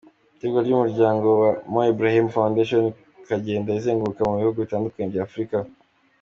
Itegurwa n’umuryango Mo Ibrahim Foundation, ikagenda izenguruka mu bihugu bitandukanye bya Afurika.